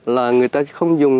là người ta không dùng